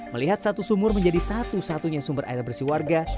melihat satu sumur menjadi satu satunya sumber air bersih warga